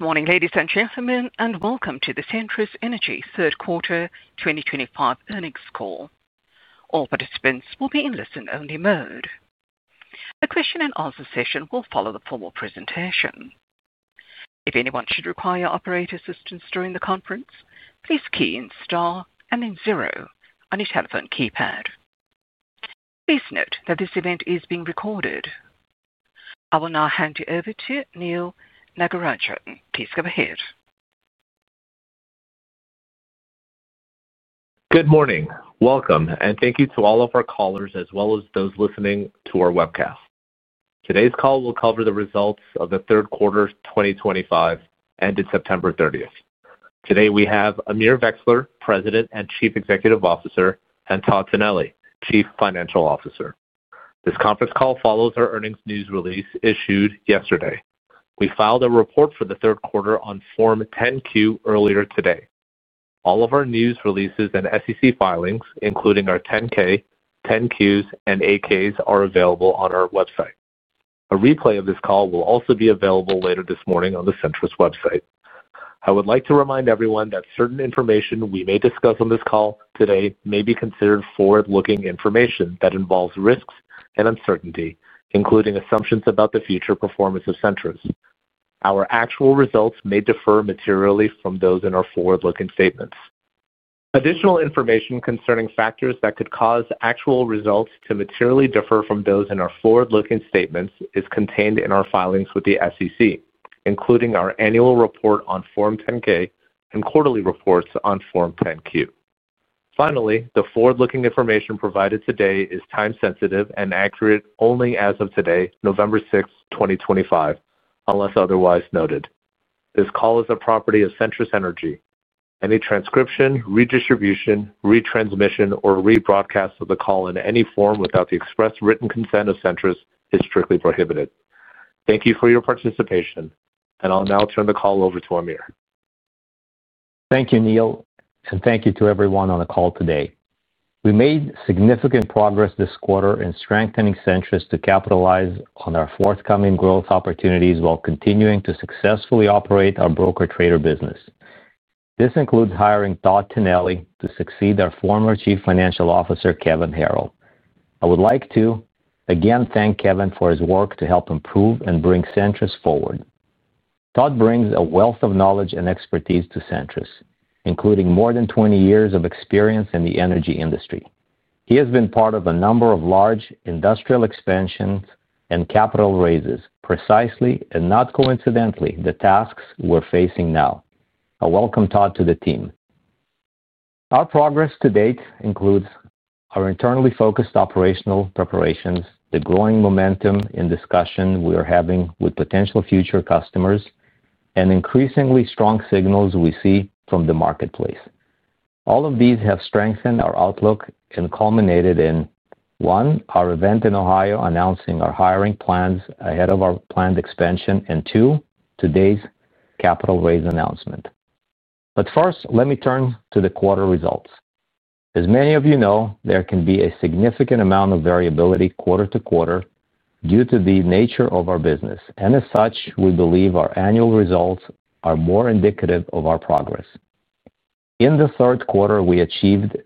Good morning, ladies and gentlemen, and welcome to the Centrus Energy third quarter 2025 earnings call. All participants will be in listen-only mode. The question-and-answer session will follow the formal presentation. If anyone should require operator assistance during the conference, please key in star and then zero on your telephone keypad. Please note that this event is being recorded. I will now hand you over to Neal Nagarajan. Please go ahead. Good morning. Welcome, and thank you to all of our callers as well as those listening to our webcast. Today's call will cover the results of the third quarter 2025 ended September 30. Today we have Amir Vexler, President and Chief Executive Officer, and Todd Tinelli, Chief Financial Officer. This conference call follows our earnings news release issued yesterday. We filed a report for the third quarter on Form 10-Q earlier today. All of our news releases and SEC filings, including our 10-K, 10-Qs, and 8-Ks, are available on our website. A replay of this call will also be available later this morning on the Centrus website. I would like to remind everyone that certain information we may discuss on this call today may be considered forward-looking information that involves risks and uncertainty, including assumptions about the future performance of Centrus. Our actual results may differ materially from those in our forward-looking statements. Additional information concerning factors that could cause actual results to materially differ from those in our forward-looking statements is contained in our filings with the SEC, including our annual report on Form 10-K and quarterly reports on Form 10-Q. Finally, the forward-looking information provided today is time-sensitive and accurate only as of today, November 6th, 2025, unless otherwise noted. This call is the property of Centrus Energy. Any transcription, redistribution, retransmission, or rebroadcast of the call in any form without the express written consent of Centrus is strictly prohibited. Thank you for your participation, and I'll now turn the call over to Amir. Thank you, Neal, and thank you to everyone on the call today. We made significant progress this quarter in strengthening Centrus to capitalize on our forthcoming growth opportunities while continuing to successfully operate our broker-trader business. This includes hiring Todd Tinelli to succeed our former Chief Financial Officer, Kevin Harrill. I would like to again thank Kevin for his work to help improve and bring Centrus forward. Todd brings a wealth of knowledge and expertise to Centrus, including more than 20 years of experience in the energy industry. He has been part of a number of large industrial expansions and capital raises, precisely and not coincidentally, the tasks we're facing now. I welcome Todd to the team. Our progress to date includes our internally focused operational preparations, the growing momentum in discussion we are having with potential future customers, and increasingly strong signals we see from the marketplace. All of these have strengthened our outlook and culminated in, one, our event in Ohio announcing our hiring plans ahead of our planned expansion, and two, today's capital raise announcement. First, let me turn to the quarter results. As many of you know, there can be a significant amount of variability quarter to quarter due to the nature of our business. As such, we believe our annual results are more indicative of our progress. In the third quarter, we achieved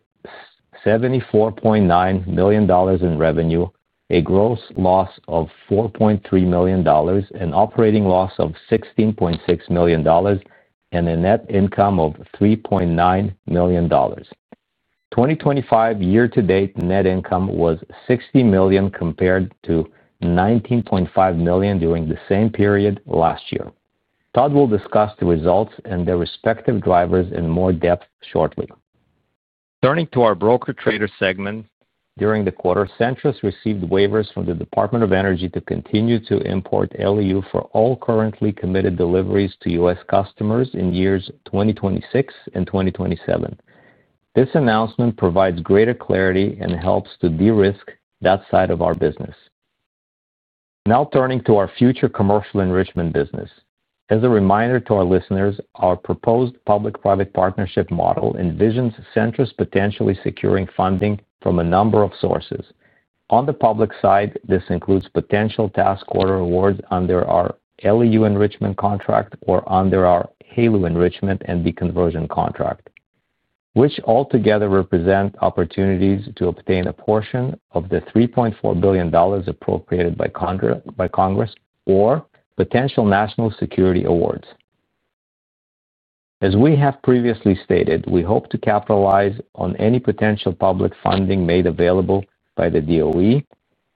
$74.9 million in revenue, a gross loss of $4.3 million, an operating loss of $16.6 million, and a net income of $3.9 million. 2025 year-to-date net income was $60 million compared to $19.5 million during the same period last year. Todd will discuss the results and their respective drivers in more depth shortly. Turning to our broker-trader segment, during the quarter, Centrus received waivers from the Department of Energy to continue to import LEU for all currently committed deliveries to U.S. customers in years 2026 and 2027. This announcement provides greater clarity and helps to de-risk that side of our business. Now turning to our future commercial enrichment business. As a reminder to our listeners, our proposed public-private partnership model envisions Centrus potentially securing funding from a number of sources. On the public side, this includes potential task order awards under our LEU enrichment contract or under our HALO enrichment and deconversion contract, which altogether represent opportunities to obtain a portion of the $3.4 billion appropriated by Congress or potential national security awards. As we have previously stated, we hope to capitalize on any potential public funding made available by the DOE,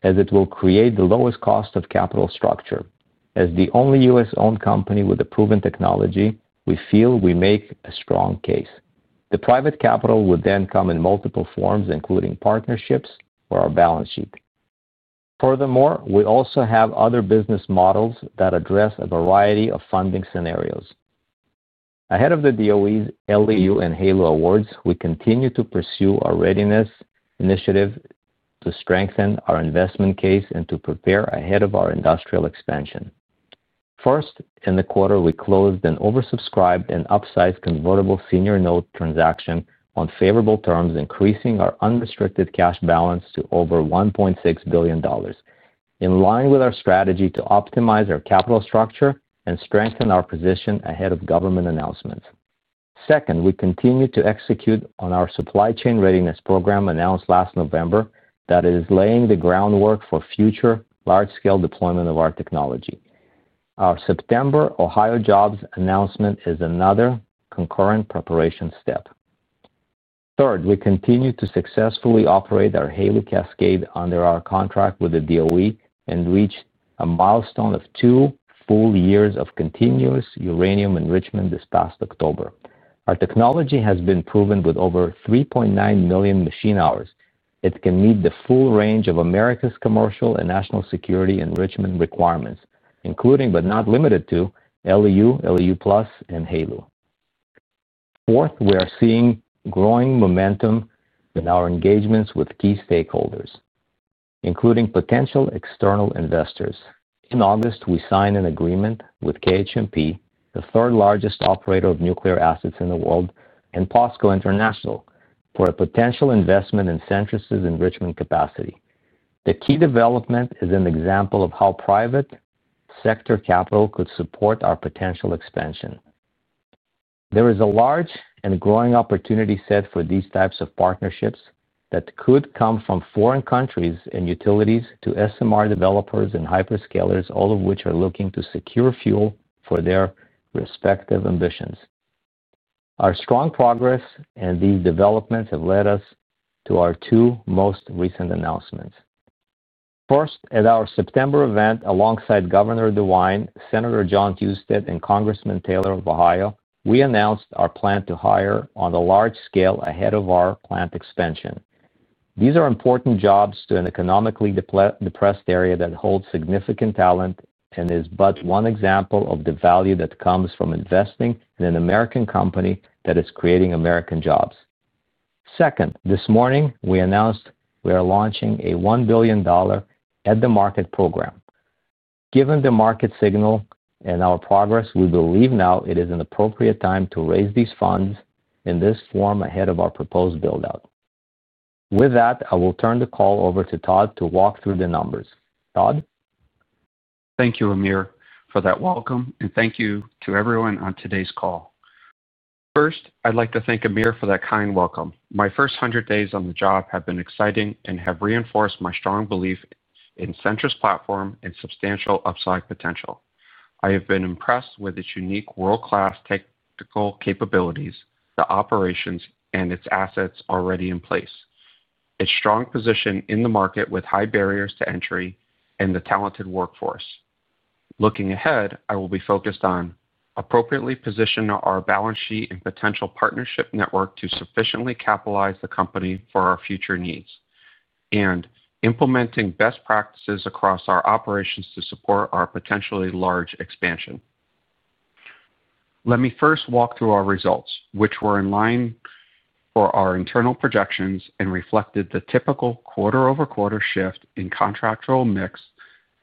as it will create the lowest cost of capital structure. As the only U.S.-owned company with a proven technology, we feel we make a strong case. The private capital would then come in multiple forms, including partnerships or our balance sheet. Furthermore, we also have other business models that address a variety of funding scenarios. Ahead of the DOE's LEU and HALO awards, we continue to pursue our readiness initiative to strengthen our investment case and to prepare ahead of our industrial expansion. First, in the quarter, we closed an oversubscribed and upsized convertible senior note transaction on favorable terms, increasing our unrestricted cash balance to over $1.6 billion, in line with our strategy to optimize our capital structure and strengthen our position ahead of government announcements. Second, we continue to execute on our supply chain readiness program announced last November that is laying the groundwork for future large-scale deployment of our technology. Our September Ohio jobs announcement is another concurrent preparation step. Third, we continue to successfully operate our HALO cascade under our contract with the DOE and reached a milestone of two full years of continuous uranium enrichment this past October. Our technology has been proven with over 3.9 million machine hours. It can meet the full range of America's commercial and national security enrichment requirements, including but not limited to LEU, LEU Plus, and HALO. Fourth, we are seeing growing momentum in our engagements with key stakeholders, including potential external investors. In August, we signed an agreement with KHNP, the third-largest operator of nuclear assets in the world, and POSCO International for a potential investment in Centrus's enrichment capacity. The key development is an example of how private sector capital could support our potential expansion. There is a large and growing opportunity set for these types of partnerships that could come from foreign countries and utilities to SMR developers and hyperscalers, all of which are looking to secure fuel for their respective ambitions. Our strong progress and these developments have led us to our two most recent announcements. First, at our September event alongside Governor DeWine, Central Jon Husted, and Congressman Taylor of Ohio, we announced our plan to hire on a large scale ahead of our plant expansion. These are important jobs to an economically depressed area that holds significant talent and is but one example of the value that comes from investing in an American company that is creating American jobs. Second, this morning, we announced we are launching a $1 billion at-the-market program. Given the market signal and our progress, we believe now it is an appropriate time to raise these funds in this form ahead of our proposed build-out. With that, I will turn the call over to Todd to walk through the numbers. Todd. Thank you, Amir, for that welcome, and thank you to everyone on today's call. First, I'd like to thank Amir for that kind welcome. My first 100 days on the job have been exciting and have reinforced my strong belief in Centrus' platform and substantial upside potential. I have been impressed with its unique world-class technical capabilities, the operations, and its assets already in place, its strong position in the market with high barriers to entry, and the talented workforce. Looking ahead, I will be focused on appropriately positioning our balance sheet and potential partnership network to sufficiently capitalize the company for our future needs and implementing best practices across our operations to support our potentially large expansion. Let me first walk through our results, which were in line for our internal projections and reflected the typical quarter-over-quarter shift in contractual mix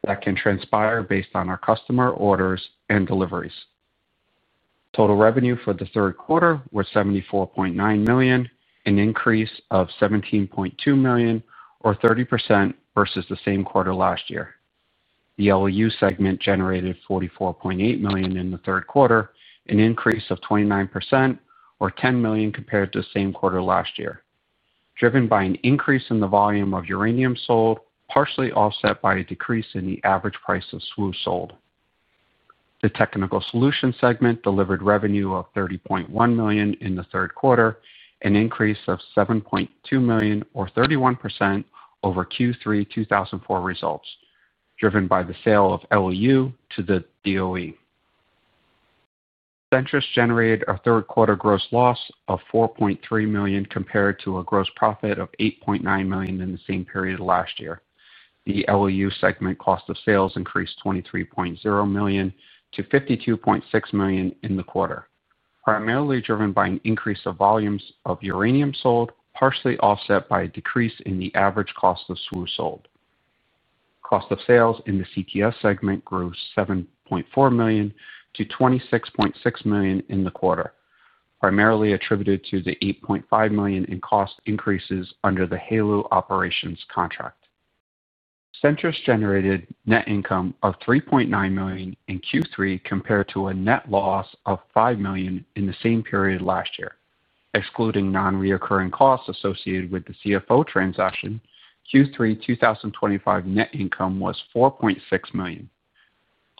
that can transpire based on our customer orders and deliveries. Total revenue for the third quarter was $74.9 million, an increase of $17.2 million, or 30% versus the same quarter last year. The LEU segment generated $44.8 million in the third quarter, an increase of 29%, or $10 million compared to the same quarter last year, driven by an increase in the volume of uranium sold, partially offset by a decrease in the average price of SWU sold. The technical solutions segment delivered revenue of $30.1 million in the third quarter, an increase of $7.2 million, or 31%, over Q3 2024 results, driven by the sale of LEU to the DOE. Centrus generated a third-quarter gross loss of $4.3 million compared to a gross profit of $8.9 million in the same period last year. The LEU segment cost of sales increased $23.0 million to $52.6 million in the quarter, primarily driven by an increase of volumes of uranium sold, partially offset by a decrease in the average cost of SWU sold. Cost of sales in the TS segment grew $7.4 million to $26.6 million in the quarter, primarily attributed to the $8.5 million in cost increases under the HALO operations contract. Centrus generated net income of $3.9 million in Q3 compared to a net loss of $5 million in the same period last year. Excluding non-recurring costs associated with the CFO transaction, Q3 2025 net income was $4.6 million.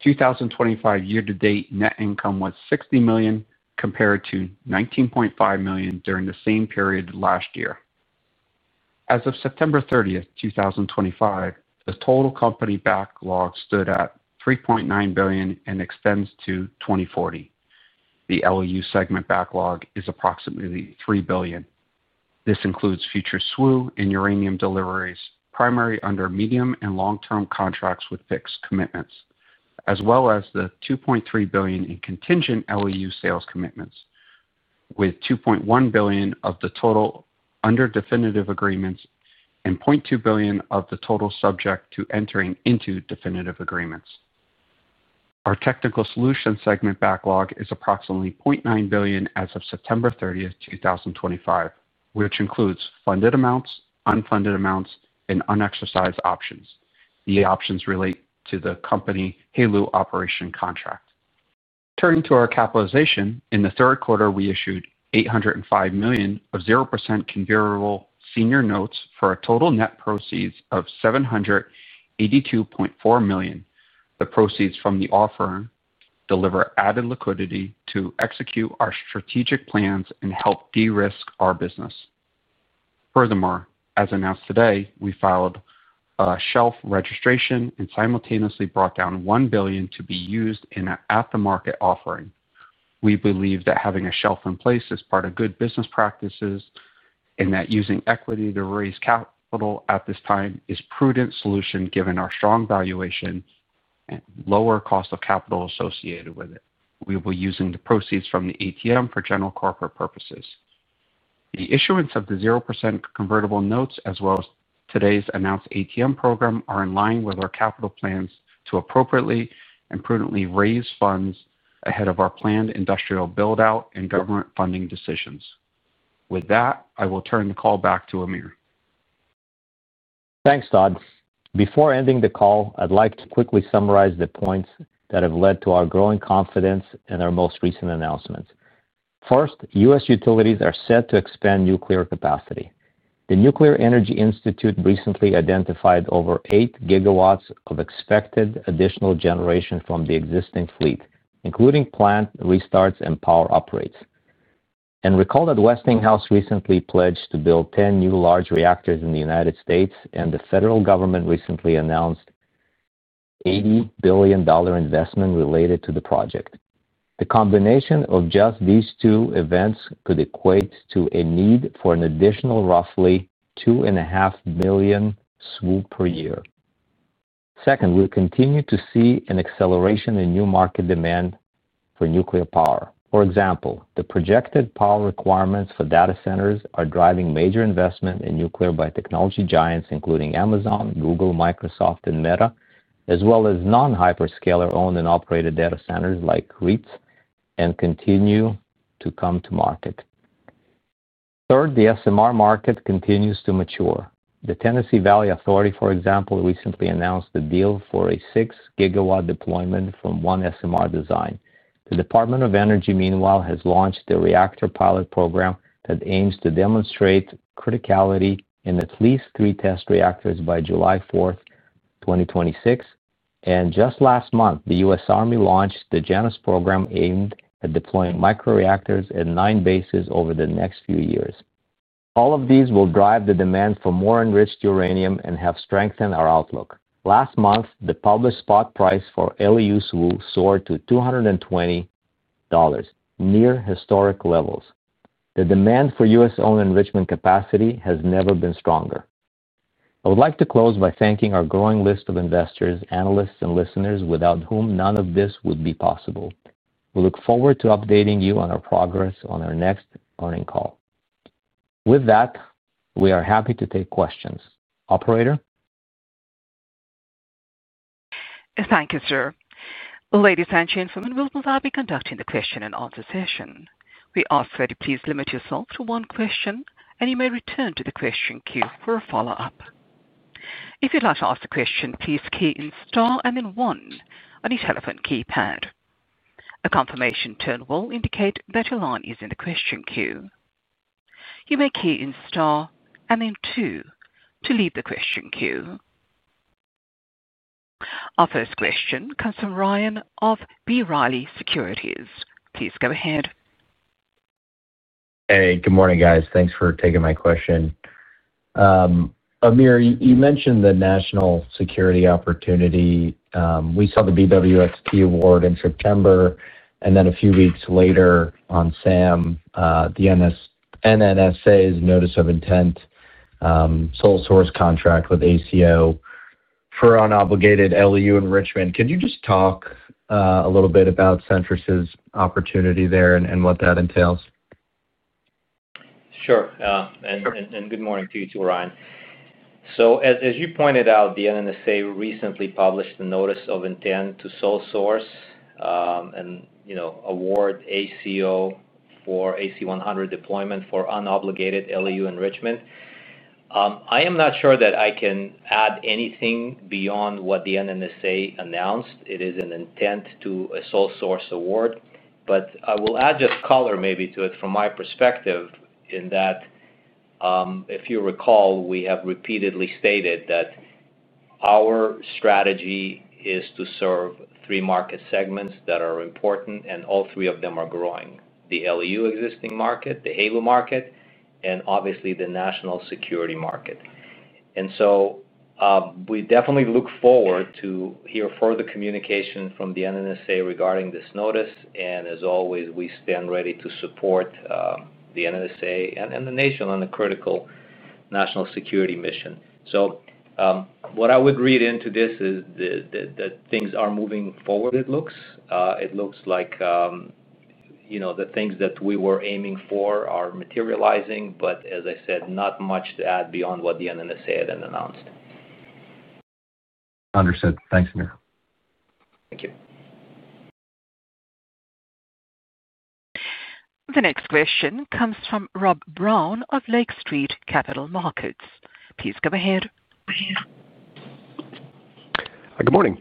2025 year-to-date net income was $60 million compared to $19.5 million during the same period last year. As of September 30, 2025, the total company backlog stood at $3.9 billion and extends to 2040. The LEU segment backlog is approximately $3 billion. This includes future SWU and uranium deliveries, primarily under medium and long-term contracts with fixed commitments, as well as the $2.3 billion in contingent LEU sales commitments, with $2.1 billion of the total under definitive agreements and $0.2 billion of the total subject to entering into definitive agreements. Our technical solutions segment backlog is approximately $0.9 billion as of September 30, 2025, which includes funded amounts, unfunded amounts, and unexercised options. The options relate to the company HALO operation contract. Turning to our capitalization, in the third quarter, we issued $805 million of 0% convertible senior notes for a total net proceeds of $782.4 million. The proceeds from the offering deliver added liquidity to execute our strategic plans and help de-risk our business. Furthermore, as announced today, we filed a shelf registration and simultaneously brought down $1 billion to be used in an at-the-market offering. We believe that having a shelf in place is part of good business practices and that using equity to raise capital at this time is a prudent solution given our strong valuation and lower cost of capital associated with it. We will be using the proceeds from the ATM for general corporate purposes. The issuance of the 0% convertible notes, as well as today's announced ATM program, are in line with our capital plans to appropriately and prudently raise funds ahead of our planned industrial build-out and government funding decisions. With that, I will turn the call back to Amir. Thanks, Todd. Before ending the call, I'd like to quickly summarize the points that have led to our growing confidence in our most recent announcements. First, U.S. utilities are set to expand nuclear capacity. The Nuclear Energy Institute recently identified over 8 GW of expected additional generation from the existing fleet, including plant restarts and power upgrades. Recall that Westinghouse recently pledged to build 10 new large reactors in the United States, and the federal government recently announced a $80 billion investment related to the project. The combination of just these two events could equate to a need for an additional roughly $2.5 million SWU per year. Second, we continue to see an acceleration in new market demand for nuclear power. For example, the projected power requirements for data centers are driving major investment in nuclear by technology giants, including Amazon, Google, Microsoft, and Meta, as well as non-hyperscaler-owned and operated data centers like REITs and continue to come to market. Third, the SMR market continues to mature. The Tennessee Valley Authority, for example, recently announced a deal for a 6 GW deployment from one SMR design. The Department of Energy, meanwhile, has launched a reactor pilot program that aims to demonstrate criticality in at least three test reactors by July 4th, 2026. Just last month, the U.S. Army launched the Janus program aimed at deploying micro reactors at nine bases over the next few years. All of these will drive the demand for more enriched uranium and have strengthened our outlook. Last month, the published spot price for LEU SWU soared to $220. Near historic levels. The demand for U.S.-owned enrichment capacity has never been stronger. I would like to close by thanking our growing list of investors, analysts, and listeners without whom none of this would be possible. We look forward to updating you on our progress on our next earnings call. With that, we are happy to take questions. Operator. Thank you, sir. Ladies and gentlemen, we will now be conducting the question-and-answer session. We ask that you please limit yourself to one question, and you may return to the question queue for a follow-up. If you'd like to ask a question, please key in star and then one on your telephone keypad. A confirmation tone will indicate that your line is in the question queue. You may key in star and then two to leave the question queue. Our first question comes from Ryan of B. Riley Securities. Please go ahead. Hey, good morning, guys. Thanks for taking my question. Amir, you mentioned the national security opportunity. We saw the BWXT award in September, and then a few weeks later on SAM, the NNSA's Notice of Intent. Sole source contract with ACO. For unobligated LEU enrichment. Could you just talk a little bit about Centrus' opportunity there and what that entails? Sure. Good morning to you too, Ryan. As you pointed out, the NNSA recently published the Notice of Intent to Sole Source and award ACO for AC-100 deployment for unobligated LEU enrichment. I am not sure that I can add anything beyond what the NNSA announced. It is an intent to a sole source award, but I will add just color maybe to it from my perspective in that, if you recall, we have repeatedly stated that our strategy is to serve three market segments that are important, and all three of them are growing: the LEU existing market, the HALO market, and obviously the national security market. We definitely look forward to hear further communication from the NNSA regarding this notice. As always, we stand ready to support the NNSA and the nation on a critical national security mission. What I would read into this is that things are moving forward. It looks like the things that we were aiming for are materializing, but as I said, not much to add beyond what the NNSA had announced. Understood. Thanks, Amir. Thank you. The next question comes from Rob Brown of Lake Street Capital Markets. Please go ahead. Good morning.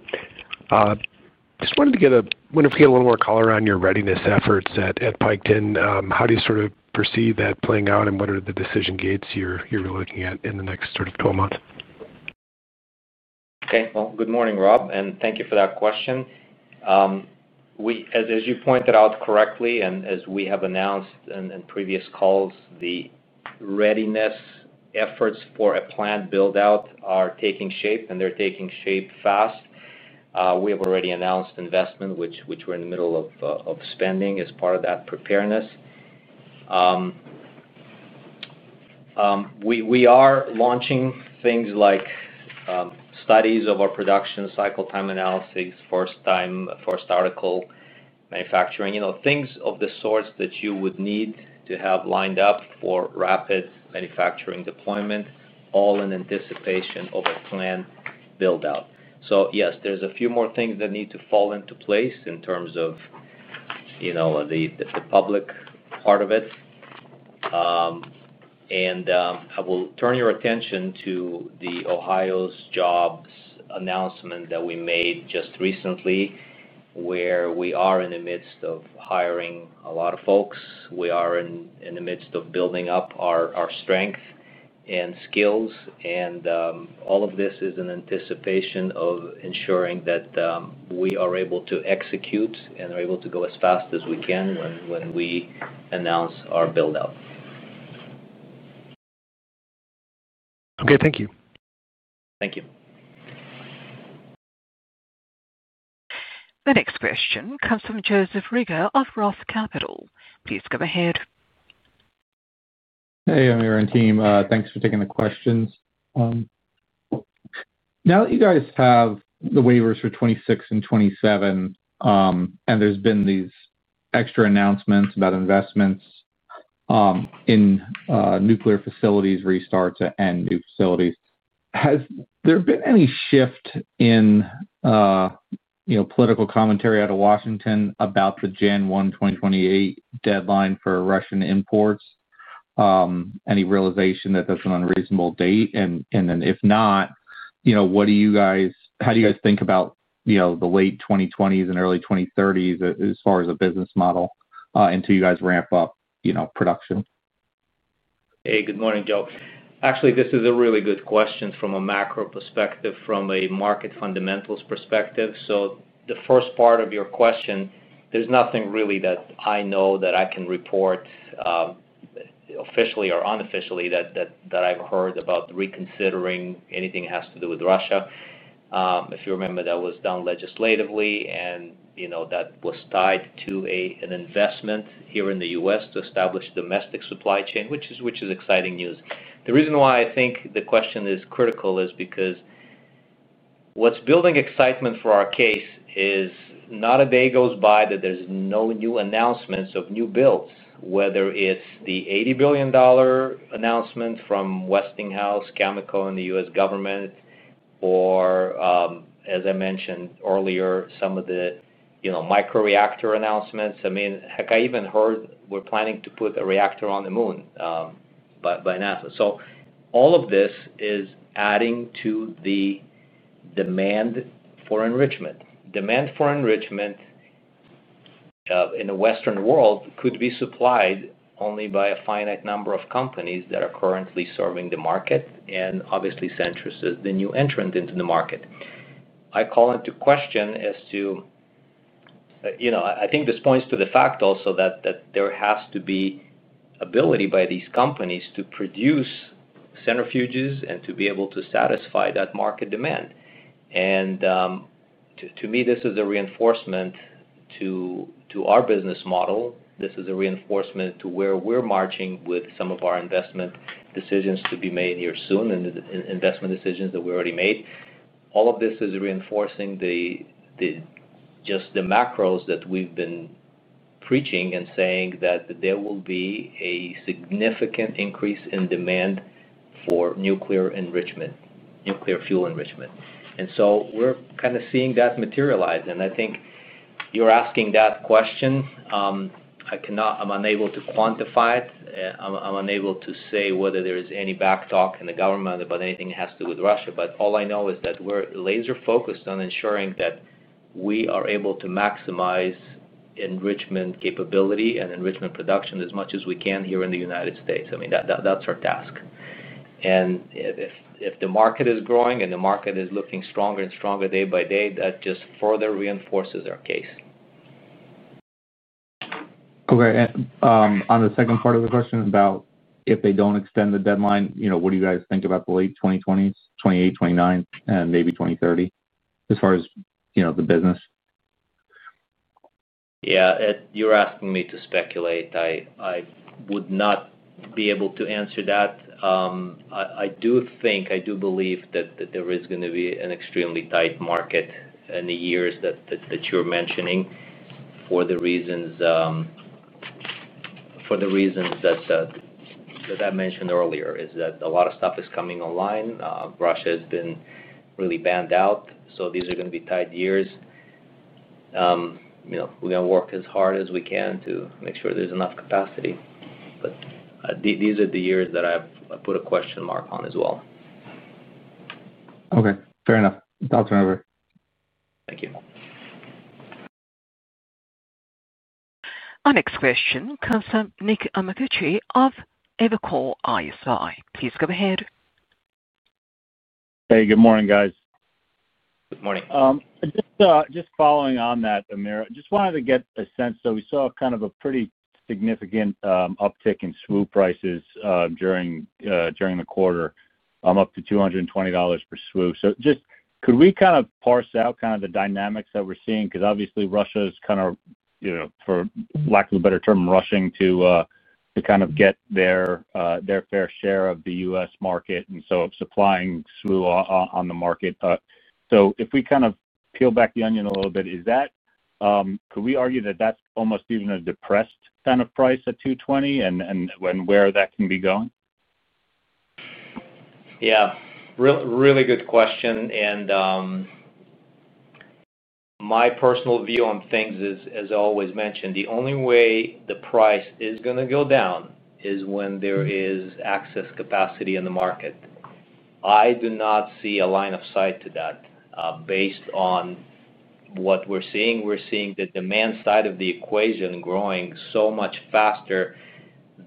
Just wanted to get a little more color on your readiness efforts at Piketon. How do you sort of perceive that playing out, and what are the decision gates you're looking at in the next sort of 12 months? Okay. Good morning, Rob, and thank you for that question. As you pointed out correctly, and as we have announced in previous calls, the readiness efforts for a planned build-out are taking shape, and they're taking shape fast. We have already announced investment, which we're in the middle of spending as part of that preparedness. We are launching things like studies of our production cycle time analysis, first time, first article, manufacturing, things of the sorts that you would need to have lined up for rapid manufacturing deployment, all in anticipation of a planned build-out. Yes, there's a few more things that need to fall into place in terms of the public part of it. I will turn your attention to the Ohio Jobs announcement that we made just recently, where we are in the midst of hiring a lot of folks. We are in the midst of building up our strength and skills. All of this is in anticipation of ensuring that we are able to execute and are able to go as fast as we can when we announce our build-out. Okay. Thank you. Thank you. The next question comes from Joseph Reagor of Roth Capital. Please go ahead. Hey, Amir and team. Thanks for taking the questions. Now that you guys have the waivers for 2026 and 2027, and there's been these extra announcements about investments in nuclear facilities restarts and new facilities, has there been any shift in political commentary out of Washington about the January 1, 2028 deadline for Russian imports? Any realization that that's an unreasonable date? If not, what do you guys, how do you guys think about the late 2020s and early 2030s as far as a business model until you guys ramp up production? Hey, good morning, Joe. Actually, this is a really good question from a macro perspective, from a market fundamentals perspective. The first part of your question, there's nothing really that I know that I can report, officially or unofficially, that I've heard about reconsidering anything that has to do with Russia. If you remember, that was done legislatively, and that was tied to an investment here in the U.S. to establish domestic supply chain, which is exciting news. The reason why I think the question is critical is because what's building excitement for our case is not a day goes by that there's no new announcements of new builds, whether it's the $80 billion announcement from Westinghouse, Chemical, and the U.S. government, or, as I mentioned earlier, some of the micro reactor announcements. I mean, I even heard we're planning to put a reactor on the moon by NASA. All of this is adding to the demand for enrichment. Demand for enrichment in the Western world could be supplied only by a finite number of companies that are currently serving the market. Obviously, Centrus is the new entrant into the market. I call into question as to, I think this points to the fact also that there has to be ability by these companies to produce centrifuges and to be able to satisfy that market demand. To me, this is a reinforcement to our business model. This is a reinforcement to where we're marching with some of our investment decisions to be made here soon and investment decisions that we already made. All of this is reinforcing just the macros that we've been preaching and saying that there will be a significant increase in demand for nuclear enrichment, nuclear fuel enrichment. We're kind of seeing that materialize. I think you're asking that question. I'm unable to quantify it. I'm unable to say whether there is any back talk in the government about anything that has to do with Russia. All I know is that we're laser-focused on ensuring that we are able to maximize enrichment capability and enrichment production as much as we can here in the United States. I mean, that's our task. If the market is growing and the market is looking stronger and stronger day by day, that just further reinforces our case. Okay. On the second part of the question about if they do not extend the deadline, what do you guys think about the late 2020s, 2028, 2029, and maybe 2030 as far as the business? Yeah. You're asking me to speculate. I would not be able to answer that. I do think, I do believe that there is going to be an extremely tight market in the years that you're mentioning for the reasons that I mentioned earlier, that a lot of stuff is coming online. Russia has been really banned out. These are going to be tight years. We're going to work as hard as we can to make sure there's enough capacity. These are the years that I put a question mark on as well. Okay. Fair enough. Thoughts, whatever. Thank you. Our next question comes from Nick Anegawa of Evercore ISI. Please go ahead. Hey, good morning, guys. Good morning. Just following on that, Amir, I just wanted to get a sense. We saw kind of a pretty significant uptick in SWU prices during the quarter, up to $220 per SWU. Could we kind of parse out the dynamics that we're seeing? Because obviously, Russia is, for lack of a better term, rushing to kind of get their fair share of the U.S. market and so supplying SWU on the market. If we kind of peel back the onion a little bit, could we argue that that's almost even a depressed kind of price at $220 and where that can be going? Yeah. Really good question. My personal view on things is, as I always mentioned, the only way the price is going to go down is when there is excess capacity in the market. I do not see a line of sight to that. Based on what we're seeing, we're seeing the demand side of the equation growing so much faster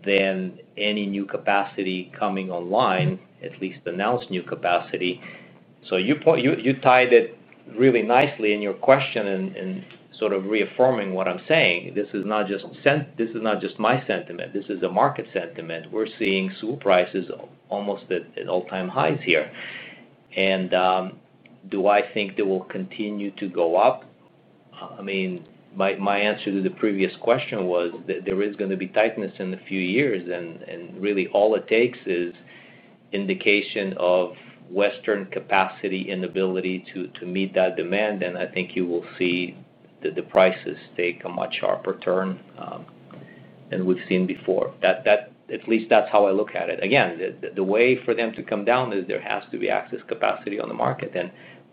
than any new capacity coming online, at least announced new capacity. You tied it really nicely in your question and sort of reaffirming what I'm saying. This is not just my sentiment. This is a market sentiment. We're seeing SWU prices almost at all-time highs here. Do I think they will continue to go up? I mean, my answer to the previous question was that there is going to be tightness in a few years. Really, all it takes is indication of. Western capacity and ability to meet that demand. I think you will see the prices take a much sharper turn than we've seen before. At least that's how I look at it. Again, the way for them to come down is there has to be excess capacity on the market.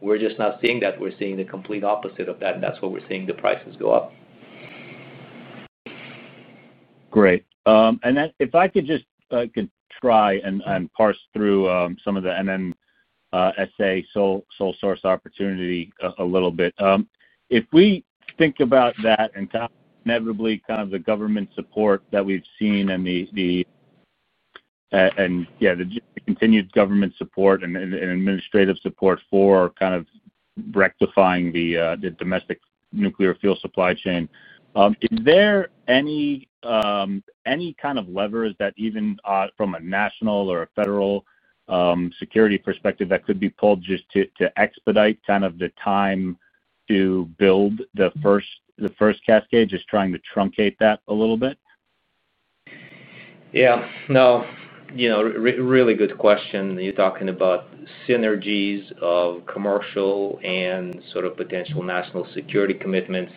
We're just not seeing that. We're seeing the complete opposite of that. That's why we're seeing the prices go up. Great. If I could just try and parse through some of the NNSA sole source opportunity a little bit. If we think about that and inevitably kind of the government support that we've seen and the continued government support and administrative support for kind of rectifying the domestic nuclear fuel supply chain, is there any kind of leverage that even from a national or a federal security perspective that could be pulled just to expedite kind of the time to build the first cascade, just trying to truncate that a little bit? Yeah. No. Really good question. You're talking about synergies of commercial and sort of potential national security commitments.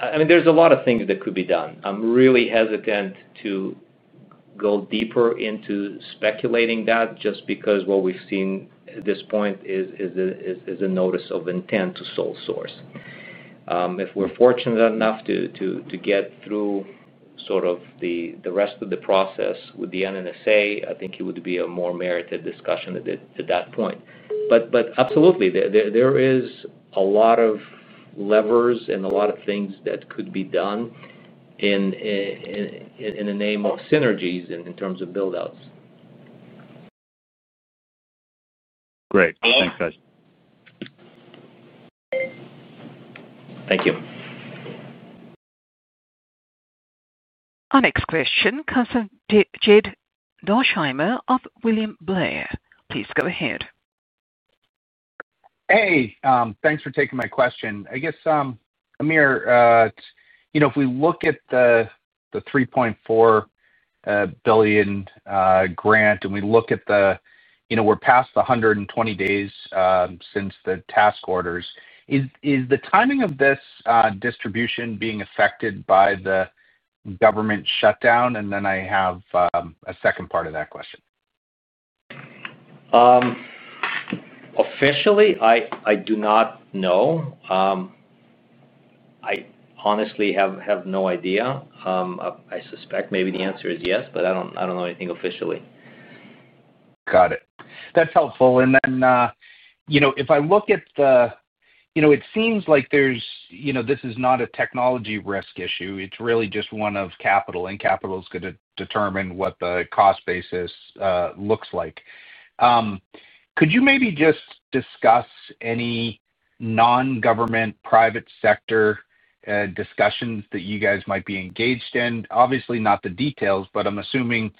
I mean, there's a lot of things that could be done. I'm really hesitant to go deeper into speculating that just because what we've seen at this point is a notice of intent to sole source. If we're fortunate enough to get through sort of the rest of the process with the NNSA, I think it would be a more merited discussion at that point. Absolutely, there is a lot of levers and a lot of things that could be done in the name of synergies in terms of build-outs. Great. Thanks, guys. Thank you. Our next question comes from Jed Dorsheimer of William Blair. Please go ahead. Hey. Thanks for taking my question. I guess, Amir. If we look at the $3.4 billion grant and we look at the—we're past the 120 days since the task orders, is the timing of this distribution being affected by the government shutdown? I have a second part of that question. Officially, I do not know. I honestly have no idea. I suspect maybe the answer is yes, but I do not know anything officially. Got it. That's helpful. If I look at the, it seems like this is not a technology risk issue. It's really just one of capital, and capital is going to determine what the cost basis looks like. Could you maybe just discuss any non-government private sector discussions that you guys might be engaged in? Obviously, not the details, but I'm assuming,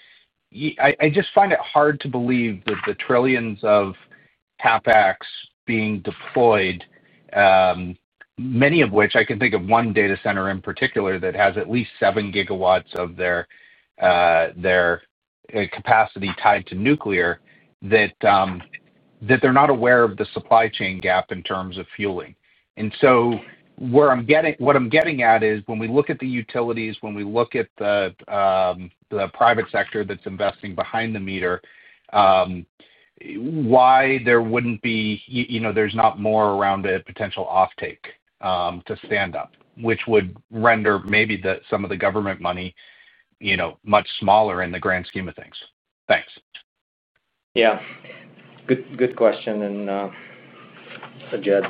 I just find it hard to believe that the trillions of CapEx being deployed, many of which, I can think of one data center in particular that has at least 7 GW of their capacity tied to nuclear, that they're not aware of the supply chain gap in terms of fueling. What I'm getting at is when we look at the utilities, when we look at the private sector that's investing behind the meter. Why there would not be, there is not more around a potential offtake to stand up, which would render maybe some of the government money much smaller in the grand scheme of things. Thanks. Yeah. Good question. Jed.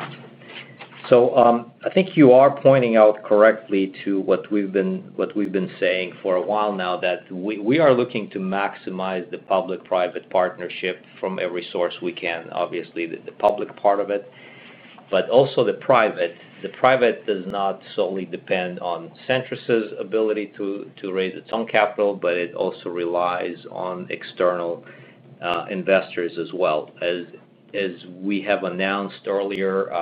I think you are pointing out correctly to what we have been saying for a while now, that we are looking to maximize the public-private partnership from every source we can, obviously, the public part of it, but also the private. The private does not solely depend on Centrus's ability to raise its own capital, but it also relies on external investors as well. As we have announced earlier,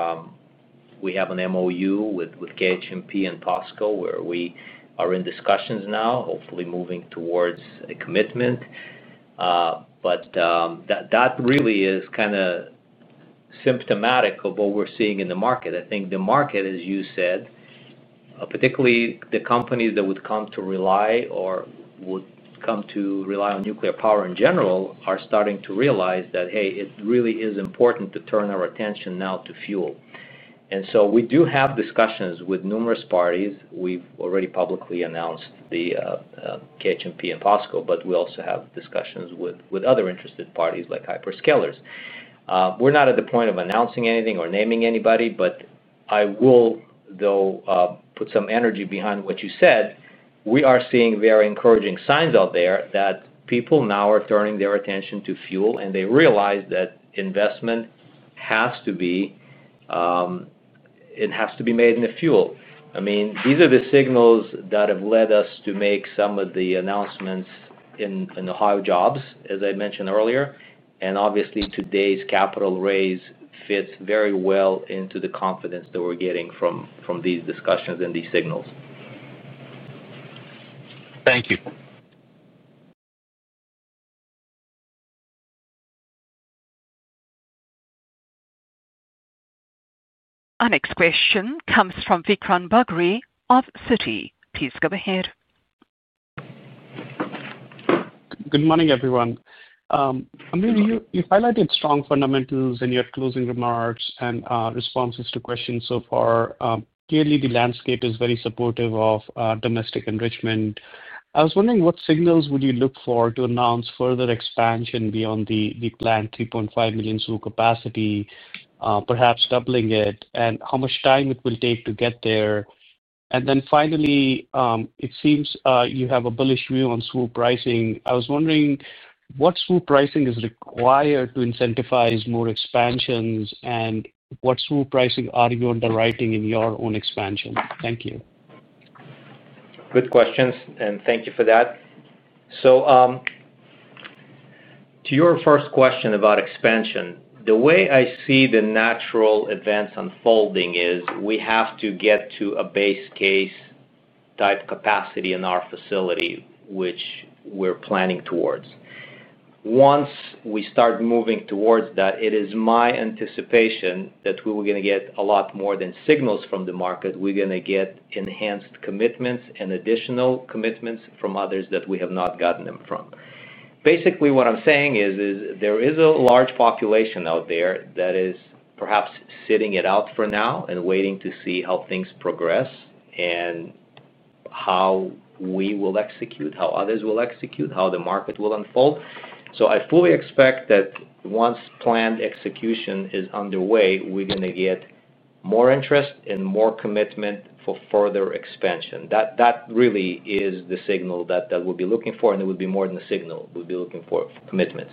we have an MOU with KHNP and POSCO where we are in discussions now, hopefully moving towards a commitment. That really is kind of symptomatic of what we are seeing in the market. I think the market, as you said, particularly the companies that would come to rely or would come to rely on nuclear power in general, are starting to realize that, hey, it really is important to turn our attention now to fuel. We do have discussions with numerous parties. We've already publicly announced the KHNP and POSCO, but we also have discussions with other interested parties like hyperscalers. We're not at the point of announcing anything or naming anybody, but I will, though, put some energy behind what you said. We are seeing very encouraging signs out there that people now are turning their attention to fuel and they realize that investment has to be, it has to be made in the fuel. I mean, these are the signals that have led us to make some of the announcements in Ohio jobs, as I mentioned earlier. Obviously, today's capital raise fits very well into the confidence that we're getting from these discussions and these signals. Thank you. Our next question comes from Vikram Bagri of Citi. Please go ahead. Good morning, everyone. Amir, you highlighted strong fundamentals in your closing remarks and responses to questions so far. Clearly, the landscape is very supportive of domestic enrichment. I was wondering what signals would you look for to announce further expansion beyond the planned 3.5 million SWU capacity, perhaps doubling it, and how much time it will take to get there? Finally, it seems you have a bullish view on SWU pricing. I was wondering what SWU pricing is required to incentivize more expansions and what SWU pricing are you underwriting in your own expansion? Thank you. Good questions. Thank you for that. To your first question about expansion, the way I see the natural advance unfolding is we have to get to a base case type capacity in our facility, which we're planning towards. Once we start moving towards that, it is my anticipation that we are going to get a lot more than signals from the market. We're going to get enhanced commitments and additional commitments from others that we have not gotten them from. Basically, what I'm saying is there is a large population out there that is perhaps sitting it out for now and waiting to see how things progress and how we will execute, how others will execute, how the market will unfold. I fully expect that once planned execution is underway, we're going to get more interest and more commitment for further expansion. That really is the signal that we'll be looking for. It would be more than a signal. We'll be looking for commitments.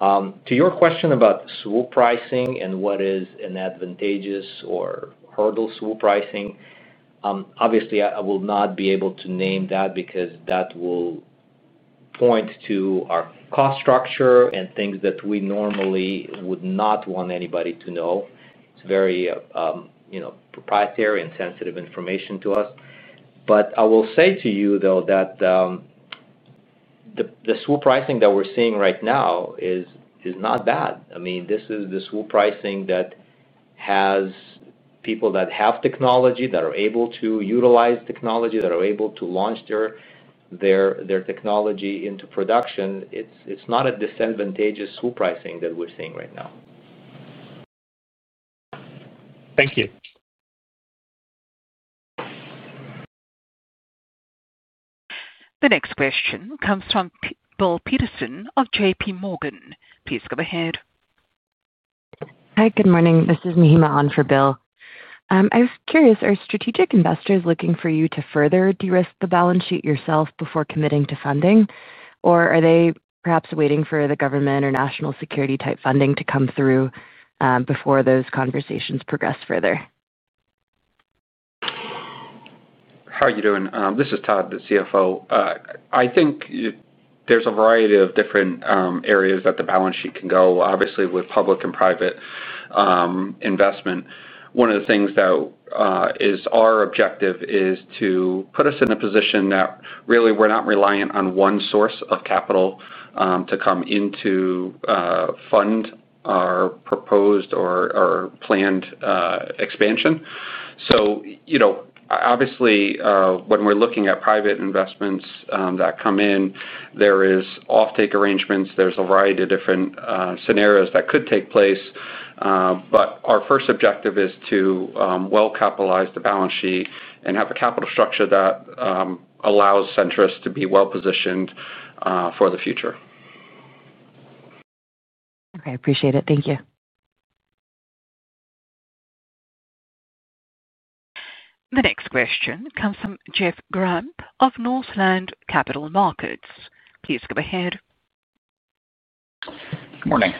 To your question about SWU pricing and what is an advantageous or hurdle SWU pricing. Obviously, I will not be able to name that because that will point to our cost structure and things that we normally would not want anybody to know. It's very proprietary and sensitive information to us. I will say to you, though, that the SWU pricing that we're seeing right now is not bad. I mean, this is the SWU pricing that has people that have technology, that are able to utilize technology, that are able to launch their technology into production. It's not a disadvantageous SWU pricing that we're seeing right now. Thank you. The next question comes from Bill Peterson of JPMorgan. Please go ahead. Hi, good morning. This is Mahima on for Bill. I was curious, are strategic investors looking for you to further de-risk the balance sheet yourself before committing to funding? Or are they perhaps waiting for the government or national security type funding to come through before those conversations progress further? How are you doing? This is Todd, the CFO. I think there's a variety of different areas that the balance sheet can go, obviously, with public and private investment. One of the things that is our objective is to put us in a position that really we're not reliant on one source of capital to come in to fund our proposed or planned expansion. Obviously, when we're looking at private investments that come in, there are offtake arrangements. There's a variety of different scenarios that could take place. Our first objective is to well capitalize the balance sheet and have a capital structure that allows Centrus to be well positioned for the future. Okay. I appreciate it. Thank you. The next question comes from Jeff Grampp of Northland Capital Markets. Please go ahead. Good morning.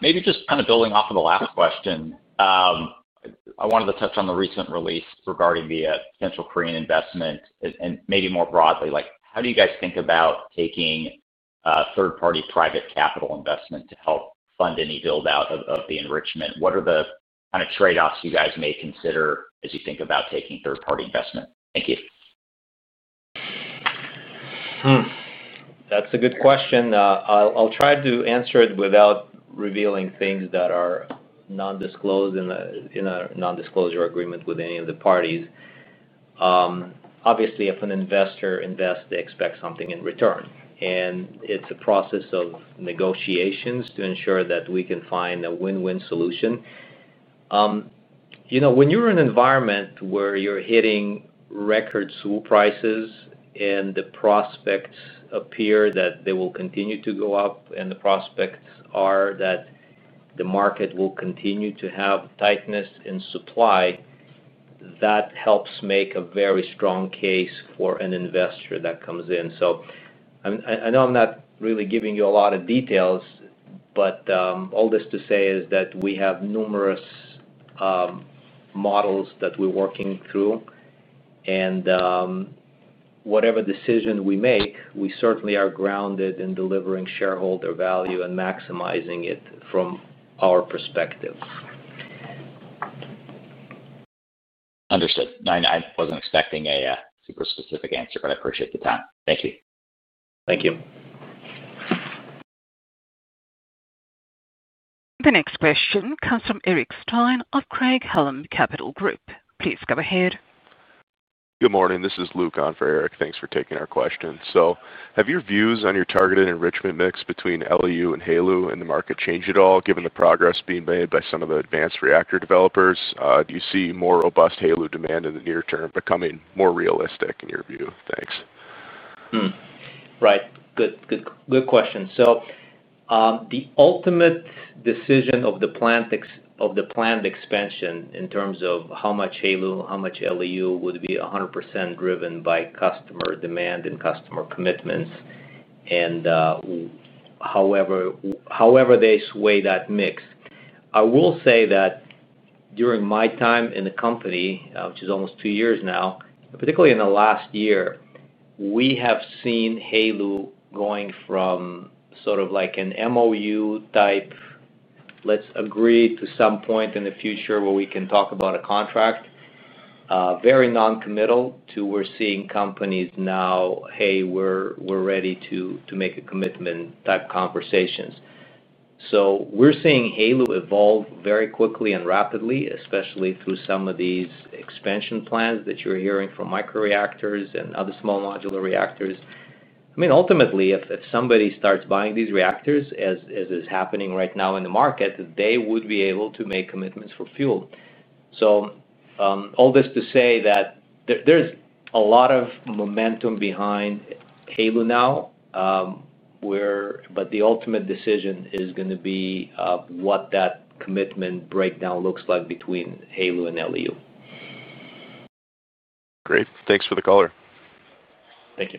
Maybe just kind of building off of the last question. I wanted to touch on the recent release regarding the potential Korean investment and maybe more broadly, how do you guys think about taking third-party private capital investment to help fund any build-out of the enrichment? What are the kind of trade-offs you guys may consider as you think about taking third-party investment? Thank you. That's a good question. I'll try to answer it without revealing things that are non-disclosed in a non-disclosure agreement with any of the parties. Obviously, if an investor invests, they expect something in return. It's a process of negotiations to ensure that we can find a win-win solution. When you're in an environment where you're hitting record SWU prices and the prospects appear that they will continue to go up and the prospects are that the market will continue to have tightness in supply, that helps make a very strong case for an investor that comes in. I know I'm not really giving you a lot of details, but all this to say is that we have numerous models that we're working through. Whatever decision we make, we certainly are grounded in delivering shareholder value and maximizing it from our perspective. Understood. I wasn't expecting a super specific answer, but I appreciate the time. Thank you. Thank you. The next question comes from Eric Stine of Craig-Hallum Capital Group. Please go ahead. Good morning. This is Luke on for Eric. Thanks for taking our question. Have your views on your targeted enrichment mix between LEU and HALEU in the market changed at all, given the progress being made by some of the advanced reactor developers? Do you see more robust HALEU demand in the near term becoming more realistic in your view? Thanks. Right. Good question. The ultimate decision of the plant expansion in terms of how much HALEU, how much LEU would be 100% driven by customer demand and customer commitments. However they sway that mix, I will say that during my time in the company, which is almost two years now, particularly in the last year, we have seen HALEU going from sort of like an MOU type, let's agree to some point in the future where we can talk about a contract, very non-committal to we're seeing companies now, "Hey, we're ready to make a commitment," type conversations. We are seeing HALEU evolve very quickly and rapidly, especially through some of these expansion plans that you're hearing from micro reactors and other small modular reactors. I mean, ultimately, if somebody starts buying these reactors, as is happening right now in the market, they would be able to make commitments for fuel. All this to say that there's a lot of momentum behind HALO now. The ultimate decision is going to be what that commitment breakdown looks like between HALO and LEU. Great. Thanks for the call. Thank you.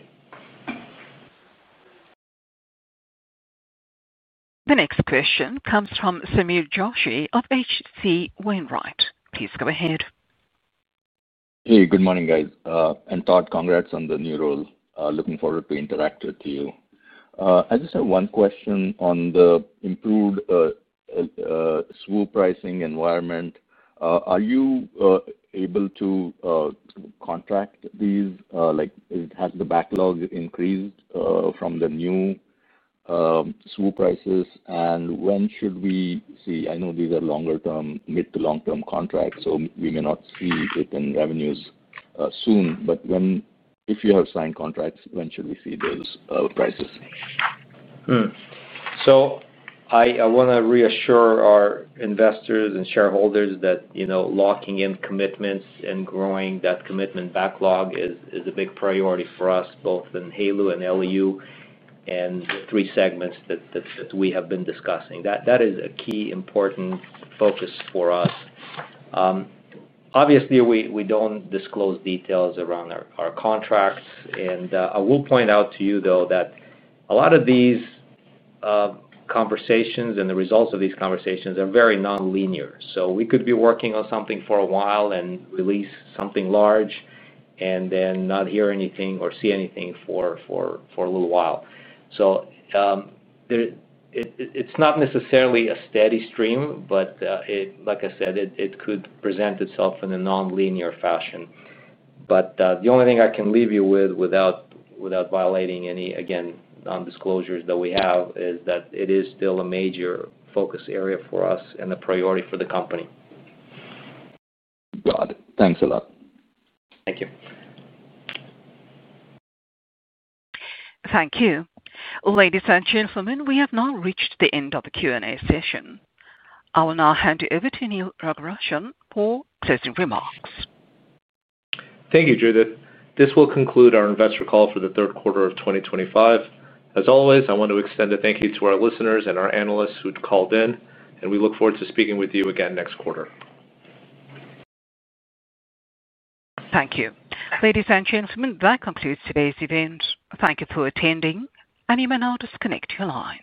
The next question comes from Sameer Joshi of H.C. Wainwright. Please go ahead. Hey, good morning, guys. Todd, congrats on the new role. Looking forward to interacting with you. I just have one question on the improved SWU pricing environment. Are you able to contract these? Has the backlog increased from the new SWU prices? When should we see? I know these are longer-term, mid to long-term contracts, so we may not see it in revenues soon. If you have signed contracts, when should we see those prices? I want to reassure our investors and shareholders that locking in commitments and growing that commitment backlog is a big priority for us, both in HALO and LEU and the three segments that we have been discussing. That is a key important focus for us. Obviously, we do not disclose details around our contracts. I will point out to you, though, that a lot of these conversations and the results of these conversations are very non-linear. We could be working on something for a while and release something large and then not hear anything or see anything for a little while. It is not necessarily a steady stream, but, like I said, it could present itself in a non-linear fashion. The only thing I can leave you with without. Violating any, again, non-disclosures that we have is that it is still a major focus area for us and a priority for the company. Got it. Thanks a lot. Thank you. Thank you. Ladies and gentlemen, we have now reached the end of the Q&A session. I will now hand you over to Neal Nagarajan for closing remarks. Thank you, Judith. This will conclude our investor call for the third quarter of 2025. As always, I want to extend a thank you to our listeners and our analysts who called in, and we look forward to speaking with you again next quarter. Thank you. Ladies and gentlemen, that concludes today's event. Thank you for attending, and you may now disconnect your line.